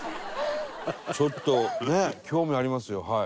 ちょっとねえ興味ありますよはい。